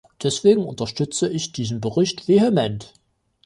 Deswegen unterstütze ich diesen Bericht vehement.